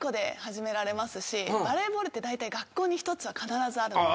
バレーボールってだいたい学校に１つは必ずあるので。